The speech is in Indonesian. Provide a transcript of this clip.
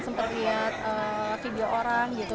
sempet liat video orang gitu